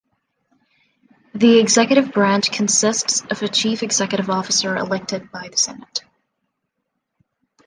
The executive branch consists of a chief executive officer elected by the Senate.